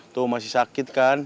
tuh masih sakit kan